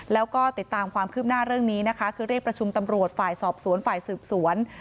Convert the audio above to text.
แล้วก็ติดตามความคืบหน้าเรื่องนี้นะคะคือเรียกประชุมตำรวจฝ่ายสอบสวนฝ่ายสืบสวน